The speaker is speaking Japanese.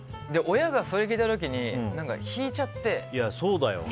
親がそれを聞いた時に引いちゃって。